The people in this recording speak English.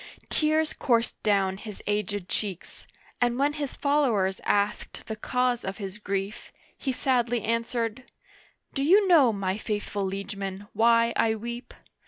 Tears coursed down his aged cheeks, and when his followers asked the cause of his grief, he sadly answered :" Do you know, my faithful liegemen, why I weep